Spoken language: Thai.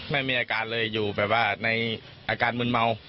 ไม่มีอาการเลยอยู่แบบว่าในอาการมืนเมา